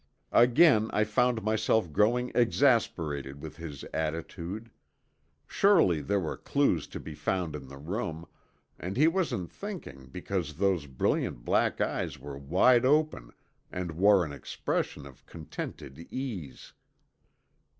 Again I found myself growing exasperated with his attitude. Surely there were clues to be found in the room, and he wasn't thinking because those brilliant black eyes were wide open and wore an expression of contented ease.